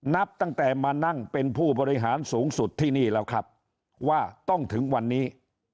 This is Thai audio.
นับตั้งแต่มานั่งเป็นผู้บริหารสูงสุดที่นี่แล้วครับว่าต้องถึงวันนี้